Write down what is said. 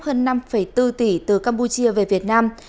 hơn năm bốn tỷ từ campuchia về việt nam